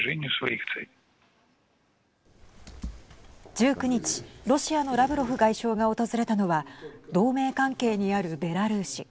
１９日、ロシアのラブロフ外相が訪れたのは同盟関係にあるベラルーシ。